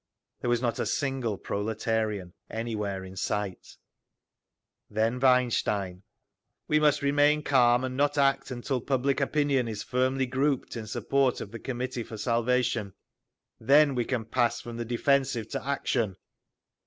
There was not a single proletarian anywhere in sight…. Then Weinstein: "We must remain calm, and not act until public opinion is firmly grouped in support of the Committee for Salvation—then we can pass from the defensive to action!"